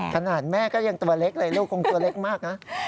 ขนาดแม่ก็ยังตัวเล็กเลยลูกคงตัวเล็กมากนะ